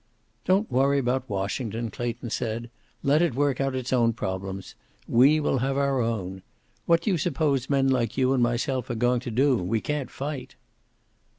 "Don't worry about Washington," Clayton said. "Let it work out its own problems. We will have our own. What do you suppose men like you and myself are going to do? We can't fight."